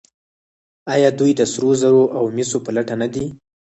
آیا دوی د سرو زرو او مسو په لټه نه دي؟